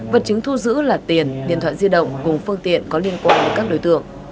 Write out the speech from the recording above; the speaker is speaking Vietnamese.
vật chứng thu giữ là tiền điện thoại di động cùng phương tiện có liên quan với các đối tượng